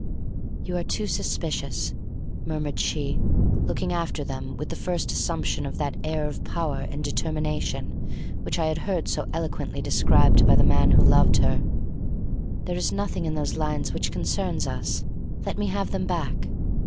"You are too suspicious," murmured she, looking after him with the first assumption of that air of power and determination which I had heard so eloquently described by the man who loved her. "There is nothing in those lines which concerns us; let me have them back."